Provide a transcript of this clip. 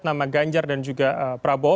nama ganjar dan juga prabowo